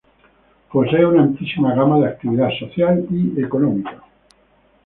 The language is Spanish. Posee una amplísima gama de actividad social y económica.